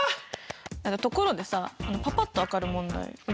ところでさパパっと分かる問題覚えてる？